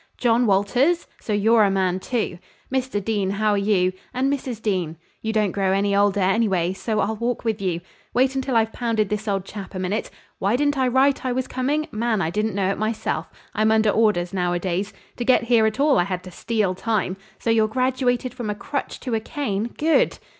John Walters? So you're a man, too! Mr. Dean, how are you? And Mrs. Dean! You don't grow any older anyway, so I'll walk with you. Wait until I've pounded this old chap a minute. Why didn't I write I was coming? Man, I didn't know it myself. I'm under orders nowadays. To get here at all I had to steal time. So you're graduated from a crutch to a cane? Good!"